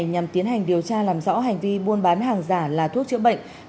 nhằm tiến hành điều tra làm rõ hành vi buôn bán hàng giả là thuốc chữa bệnh